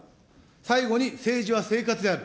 最後に政治は生活である。